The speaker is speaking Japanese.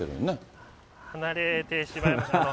離れてしまいました。